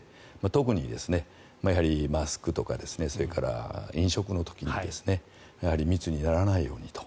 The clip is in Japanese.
特に、やはりマスクとかそれから、飲食の時に密にならないようにと。